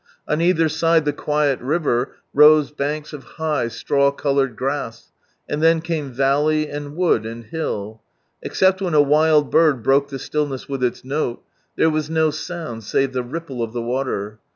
On either side the quiet river, rose banks of high, straw^oloured grass, and then came valley, and wood, and hill. Except when a wild bird broke the stillness with its note, there was no sound save the ripple of the water.